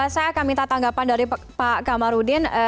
saya akan minta tanggapan dari pak kamarudin